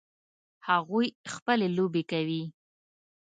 هغوی خپلې لوبې کوي